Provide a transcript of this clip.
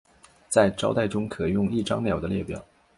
在招待中可用一张鸟的列表。